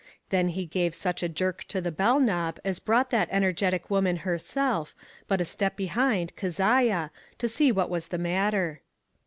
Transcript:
Then he gave such a jerk to the bell knob as brought that energetic woman herself, but a step behind Keziah, to see what was the matter.